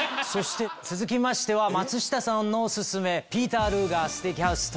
続きましては松下さんのお薦めピーター・ルーガー・ステーキハウス